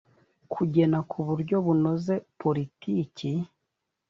kugena ku buryo bunoze politiki